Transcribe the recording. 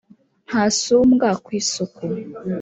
Ntasumbwa ku isuku: